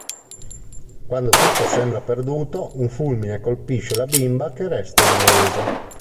Quando tutto sembra perduto, un fulmine colpisce la bimba che resta illesa.